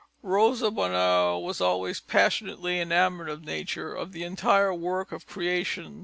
Rosa Bonheur was always passionately enamoured of nature, of the entire work of creation.